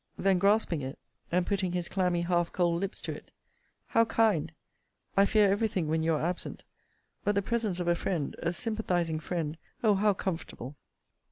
Then grasping it, and putting his clammy, half cold lips to it How kind! I fear every thing when you are absent. But the presence of a friend, a sympathising friend Oh! how comfortable!